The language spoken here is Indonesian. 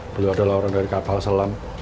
beliau adalah orang dari kapal selam